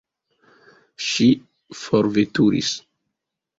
Ŝi forveturis.